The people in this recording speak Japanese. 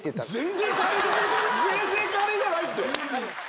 全然カレーじゃないって！